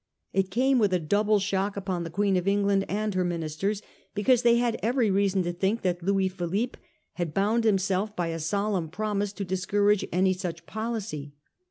It came with a double shock upon the Queen of England and her ministers, because they had every reason to think that Louis Philippe had bound him self by a solemn promise to discourage any such policy.